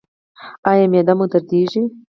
ایا معده مو دردیږي؟